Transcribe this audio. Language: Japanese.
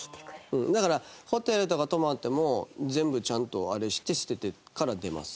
だからホテルとか泊まっても全部ちゃんとあれして捨ててから出ます。